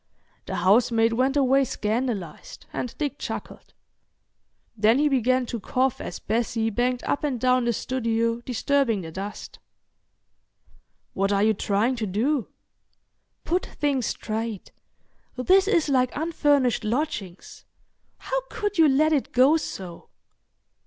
The housemaid went away scandalised, and Dick chuckled. Then he began to cough as Bessie banged up and down the studio disturbing the dust. "What are you trying to do?" "Put things straight. This is like unfurnished lodgings. How could you let it go so?"